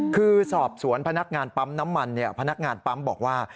คือสอบสวนพนักงานปั๊มน้ำมันพนักงานปั๊มบอกว่า